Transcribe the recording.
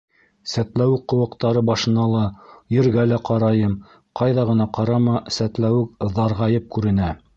Сәтләүек ҡыуаҡтары башына ла, ергә лә ҡарайым. ҡайҙа ғына ҡарама — сәтләүек ҙарғайып күренә.